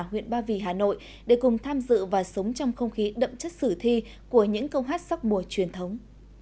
huyện ba vì hà nội để cùng tham dự và sống trong không khí đậm chất sử thi của những câu hát sắc mùa truyền thống